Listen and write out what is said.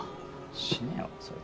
死ねよそいつ